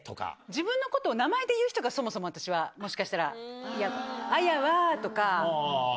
自分のことを名前で言う人がそもそも私は、もしかしたら嫌。